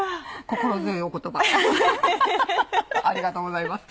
心強いお言葉ありがとうございます。